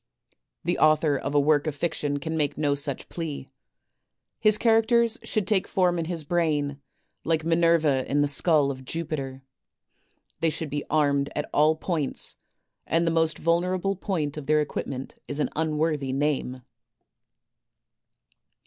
The author of a work of fiction can make no such plea. His characters should take form in his brain, like Minerva in the skull of Jupiter; they should be armed at all points, and the most vulnerable point of their equipment is an unworthy name.